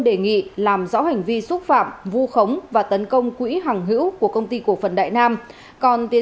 đề nghị làm rõ hành vi xúc phạm vu khống và tấn công quỹ hàng hữu của công ty cổ phần đại nam còn tiến